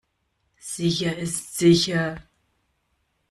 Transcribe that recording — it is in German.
Sicher ist sicher.